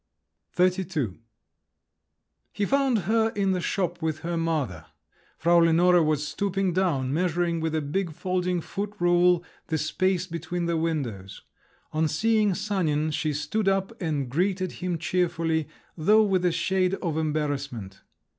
XXXII He found her in the shop with her mother. Frau Lenore was stooping down, measuring with a big folding foot rule the space between the windows. On seeing Sanin, she stood up, and greeted him cheerfully, though with a shade of embarrassment.